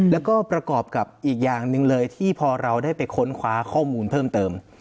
แล้วก็ประกอบกับอีกอย่างหนึ่งเลยที่พอเราได้ไปค้นคว้าข้อมูลเพิ่มเติม